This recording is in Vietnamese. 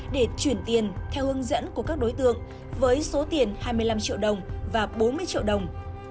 để chuyển tiền theo hướng dẫn của các đối tượng với số tiền hai mươi năm triệu đồng và bốn mươi triệu đồng